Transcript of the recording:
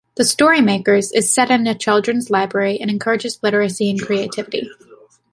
"The Story Makers" is set in a children's library, and encourages literacy and creativity.